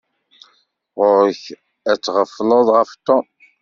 Ɣur-k ad tɣefleḍ ɣef Tom.